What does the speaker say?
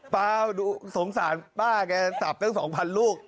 ป้าดูสงสารป้าการสาปดึง๒๐๐๐ลูก